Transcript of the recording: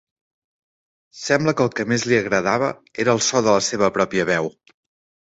Sembla que el que més li agradava era el so de la seva pròpia veu.